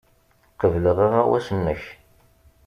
Qebleɣ aɣawas-nnek.